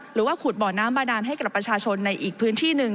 หรือว่าขุดบ่อน้ำบาดานให้กับประชาชนในอีกพื้นที่หนึ่ง